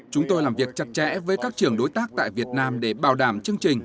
chúng tôi làm việc chặt chẽ với các trường đối tác tại việt nam để bảo đảm chương trình